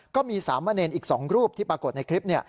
ก็มีสามเณรอีก๒รูปที่ปรากฏในคลิป